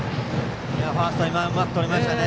ファーストうまく打ちとりましたね。